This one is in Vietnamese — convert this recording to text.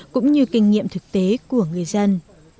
cũng như kinh nghiệm thực tế của người dân